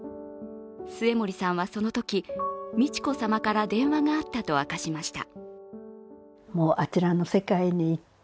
末盛さんはそのとき、美智子さまから電話があったと明かしました。